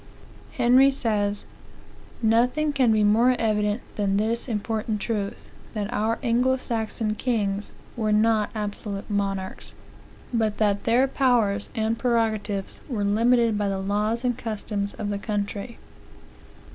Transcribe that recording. Henry says: "Nothing can be more evident than this important truth; that our Anglo Saxon kings were not absolute monarchs; but that their powers and prerogatives were limited by the laws and customs of the country.